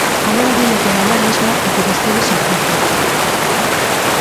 Agora dime que mañá mesmo e que vostedes se ofrecen.